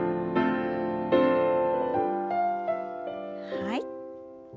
はい。